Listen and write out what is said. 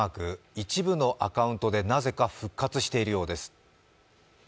一部のアカウントでなぜか復活しているようです。